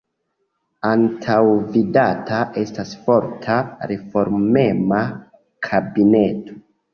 Antaŭvidata estas forta, reformema kabineto.